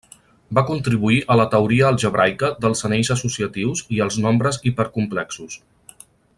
Va contribuir a la teoria algebraica dels anells associatius i els nombres hipercomplexos.